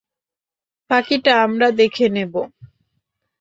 বাকিটা আমরা দেখে নেব।